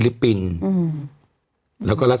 นี่จากอเมริกา